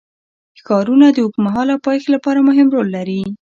ښارونه د اوږدمهاله پایښت لپاره مهم رول لري.